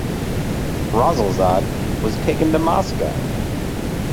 Rasulzade was taken to Moscow.